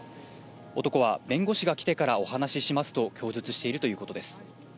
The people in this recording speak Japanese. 男は弁護士が来てからお話ししますと供述しているということです。